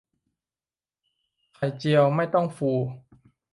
ไข่เจียวไม่ต้องฟู